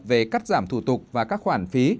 về cắt giảm thủ tục và các khoản phí